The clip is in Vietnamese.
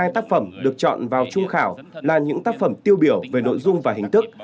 một trăm năm mươi hai tác phẩm được chọn vào trung khảo là những tác phẩm tiêu biểu về nội dung và hình thức